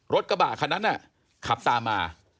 รถกระบะคันนั้นขับตามมา